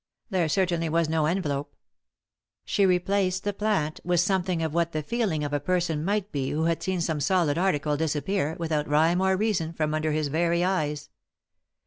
There certainly was no envelope. She replaced the plant with something of what the feel ings of a person might be who bad seen some solid article disappear, without rhyme or reason, from under his very eyes.